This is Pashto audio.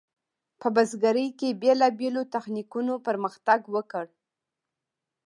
په بزګرۍ کې بیلابیلو تخنیکونو پرمختګ وکړ.